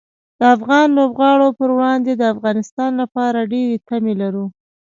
د افغان لوبغاړو پر وړاندې د افغانستان لپاره ډېرې تمې لرو.